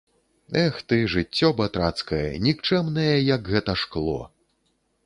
Эх ты, жыццё батрацкае, нікчэмнае, як гэта шкло!